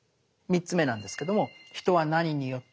３つ目なんですけども「人は何によって生きるのか？」